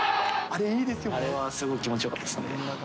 あれはすごい気持ちよかったですね。